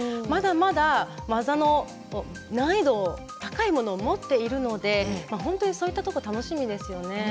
まだまだ技の難易度を高いものを持っているので本当にそういったところ楽しみですよね。